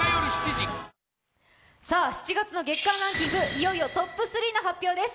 いよいよトップ３の発表です！